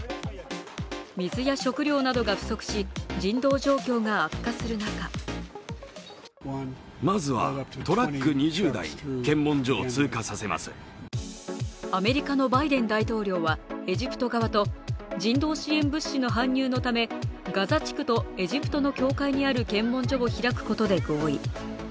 水や食料などが不足し、人道状況が悪化する中アメリカのバイデン大統領はエジプト側と人道支援物資の搬入のためガザ地区とエジプトの境界にある検問所を開くことで合意。